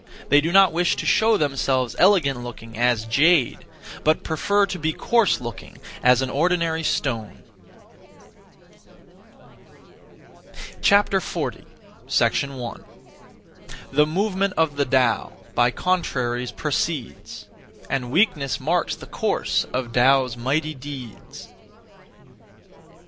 They do not wish to show themselves elegant looking as jade, but (prefer) to be coarse looking as an (ordinary) stone. 40. 1. The movement of the Tao By contraries proceeds; And weakness marks the course Of Tao's mighty deeds.